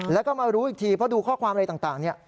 แล้วก็มารู้อีกทีเพราะดูข้อความอะไรต่างเนี่ย